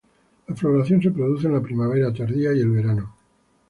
La floración se produce en la primavera tardía y el verano.